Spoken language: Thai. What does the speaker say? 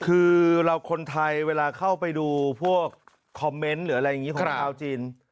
คือเราคนไทยเวลาเข้าไปดูพวกคอมเมนต์หรืออะไรอย่างนี้ของชาวจีน